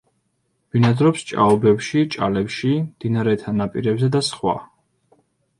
ბინადრობს ჭაობებში, ჭალებში, მდინარეთა ნაპირებზე და სხვა.